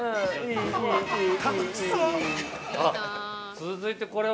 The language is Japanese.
◆続いて、これは？